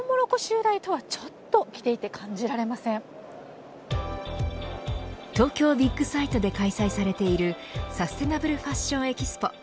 由来とはちょっと着ていて東京ビックサイトで開催されているサステナブルファッションＥＸＰＯ。